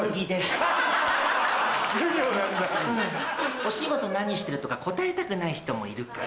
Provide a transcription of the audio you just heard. お仕事何してるとか答えたくない人もいるから。